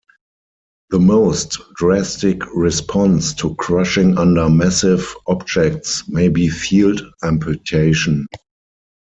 The most drastic response to crushing under massive objects may be field amputation.